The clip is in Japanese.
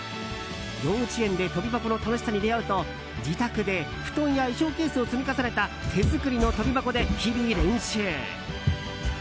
幼稚園で跳び箱の楽しさに出会うと自宅で布団や衣装ケースを積み重ねた手作りの跳び箱で日々、練習。